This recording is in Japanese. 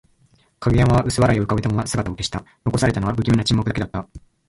影山は薄笑いを浮かべたまま姿を消した。残されたのは、不気味な沈黙だけだった。